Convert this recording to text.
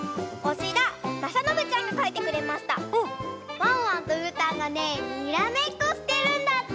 ワンワンとうーたんがねにらめっこしてるんだって！